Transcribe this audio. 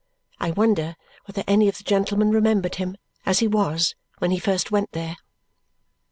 I wonder whether any of the gentlemen remembered him as he was when he first went there.